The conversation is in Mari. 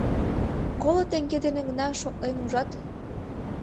— Коло теҥге дене гына шотлет ужат?